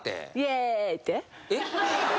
えっ？